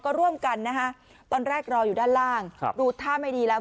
ก็ร่วมกันนะฮะตอนแรกรออยู่ด้านล่างครับดูท่าไม่ดีแล้ว